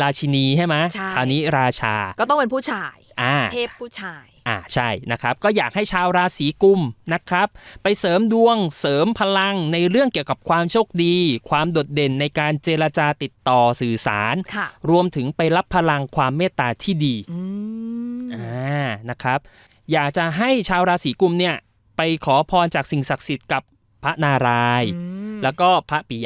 คราวนี้ราชาก็ต้องเป็นผู้ชายอ่าเทพผู้ชายอ่าใช่นะครับก็อยากให้ชาวราศีกุมนะครับไปเสริมดวงเสริมพลังในเรื่องเกี่ยวกับความโชคดีความโดดเด่นในการเจรจาติดต่อสื่อสารค่ะรวมถึงไปรับพลังความเมตตาที่ดีอืมอ่านะครับอยากจะให้ชาวราศีกุมเนี่ยไปขอพรจากสิ่งศักดิ์สิทธิ์กับพระนารายแล้วก็พระปิย